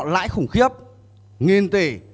lãi khủng khiếp nghìn tỷ